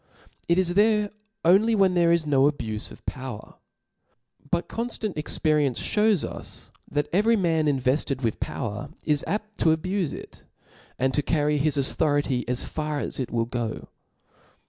It is there only wh^n there is no abufe of power ; but conftant experience fhews Us, that every man invefted with power is apt to abufe it; and to carry his authority as far as it will go.